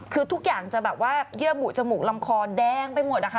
คือทุกอย่างจะแบบว่าเยื่อบุจมูกลำคอแดงไปหมดนะคะ